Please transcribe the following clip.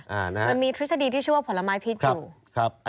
มันมีทฤษฎีที่ชื่อว่าผลไม้พิษอยู่ครับ